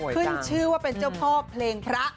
ขึ้นชื่อว่าเป็นเจ้าพ่อเพลงพระ